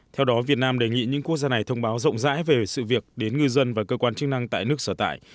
theo đó việt nam đề nghị những quốc gia này thông báo rộng rãi về sự việc đến ngư dân và cơ quan chức năng tại nước sở tại